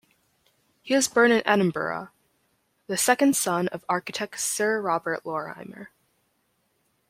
He was born in Edinburgh, the second son of architect Sir Robert Lorimer.